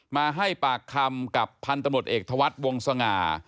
มาให้ปากคำกับพันธุ์ตำรวจเอกธวัฒน์วงสง่า